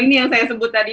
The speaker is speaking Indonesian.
ini yang saya sebut tadi